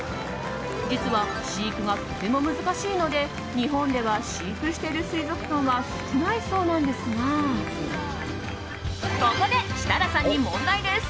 実は飼育がとても難しいので日本では飼育している水族館は少ないそうなんですがここで、設楽さんに問題です。